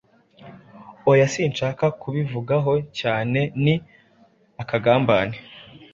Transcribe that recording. oya sinshaka kubivugaho cyane ni akagambane